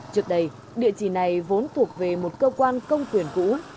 trước đây địa chỉ này vốn thuộc về một cơ quan công quyền cũ